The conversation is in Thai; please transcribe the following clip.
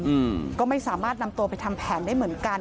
อืมก็ไม่สามารถนำตัวไปทำแผนได้เหมือนกัน